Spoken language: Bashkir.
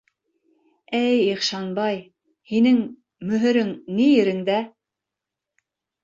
Әй Ихшанбай, һинең... мөһөрөң... ни ерендә?